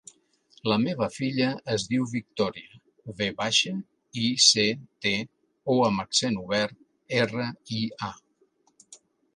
La meva filla es diu Victòria: ve baixa, i, ce, te, o amb accent obert, erra, i, a.